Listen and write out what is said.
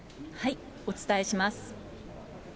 お伝えします。